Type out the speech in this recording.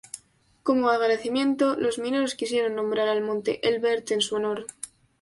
Como agradecimiento, los mineros quisieron nombrar al Monte Elbert en su honor.